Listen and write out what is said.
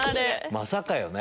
まさかよね。